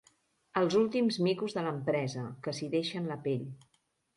Els últims micos de l'empresa, que s'hi deixen la pell.